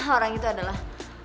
orang itu adalah